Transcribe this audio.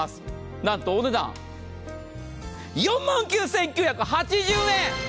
なんとお値段、４万９９８０円！